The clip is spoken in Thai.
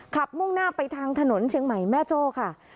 มุ่งหน้าไปทางถนนเชียงใหม่แม่โจ้ค่ะ